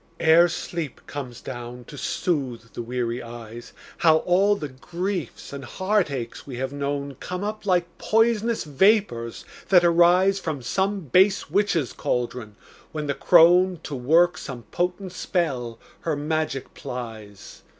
Ere sleep comes down to soothe the weary eyes, How all the griefs and heartaches we have known Come up like pois'nous vapors that arise From some base witch's caldron, when the crone, To work some potent spell, her magic plies.